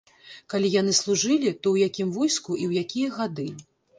Калі яны служылі, то ў якім войску і ў якія гады.